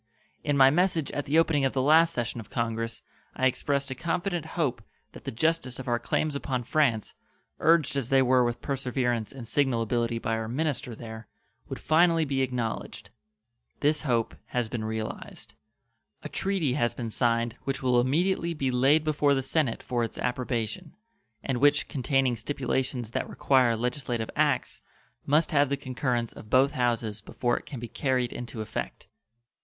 In my message at the opening of the last session of Congress I expressed a confident hope that the justice of our claims upon France, urged as they were with perseverance and signal ability by our minister there, would finally be acknowledged. This hope has been realized. A treaty has been signed which will immediately be laid before the Senate for its approbation, and which, containing stipulations that require legislative acts, must have the concurrence of both houses before it can be carried into effect.